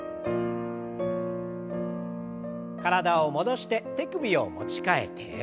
体を戻して手首を持ち替えて。